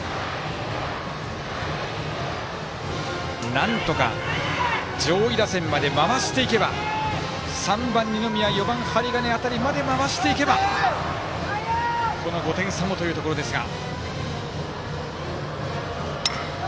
なんとか上位打線まで回していけば３番、二宮、４番、針金辺りまで回していけばこの５点差もというところですが。